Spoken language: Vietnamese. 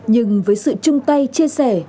nhưng với sự chung tay chia sẻ